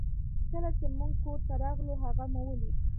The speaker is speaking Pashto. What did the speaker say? کله چې موږ کور ته راغلو هغه مو ولید